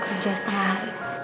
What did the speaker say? kerja setengah hari